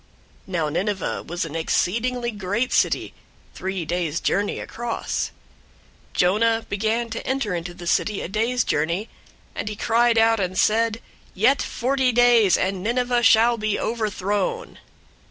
Now Nineveh was an exceedingly great city, three days' journey across. 003:004 Jonah began to enter into the city a day's journey, and he cried out, and said, "Yet forty days, and Nineveh shall be overthrown!"